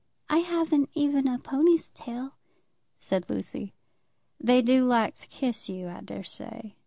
"I haven't even a pony's tail," said Lucy. "They do like to kiss you, I daresay."